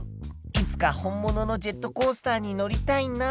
いつか本物のジェットコースターに乗りたいな。